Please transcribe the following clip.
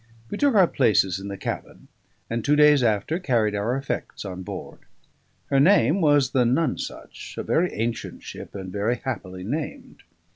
We took our places in the cabin; and, two days after, carried our effects on board. Her name was the Nonesuch, a very ancient ship, and very happily named.